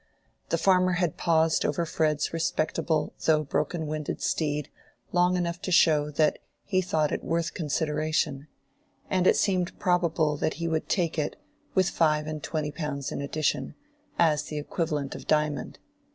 The farmer had paused over Fred's respectable though broken winded steed long enough to show that he thought it worth consideration, and it seemed probable that he would take it, with five and twenty pounds in addition, as the equivalent of Diamond.